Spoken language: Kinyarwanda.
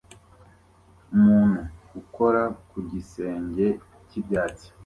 Umuntu ukora ku gisenge cy'ibyatsi